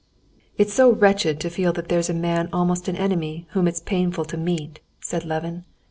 "It's so wretched to feel that there's a man almost an enemy whom it's painful to meet," said Levin.